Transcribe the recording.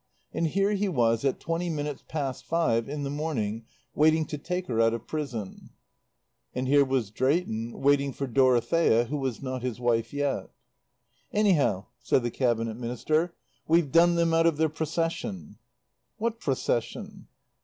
And here he was at twenty minutes past five in the morning waiting to take her out of prison. And here was Drayton, waiting for Dorothea, who was not his wife yet. "Anyhow," said the Cabinet Minister, "we've done them out of their Procession." "What Procession?"